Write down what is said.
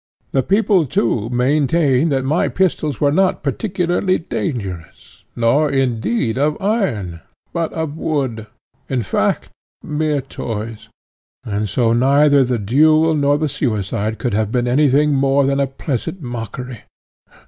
The people, too, maintain that my pistols were not particularly dangerous, nor, indeed, of iron, but of wood in fact mere toys and so neither the duel nor the suicide could have been any thing more than a pleasant mockery.